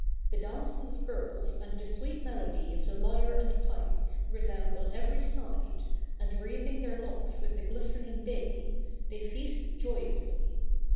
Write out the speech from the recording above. The dances of girls and the sweet melody of the lyre and pipe resound on every side, and wreathing their locks with the glistening bay, they feast joyously.